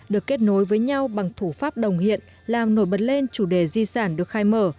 được kết nối với nhau bằng thủ pháp đồng hiện làm nổi bật lên chủ đề di sản được khai mở